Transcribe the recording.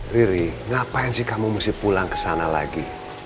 riri ngapain sih kamu mesti pulang ke sana lagi